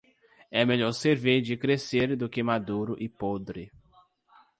É melhor ser verde e crescer do que maduro e podre.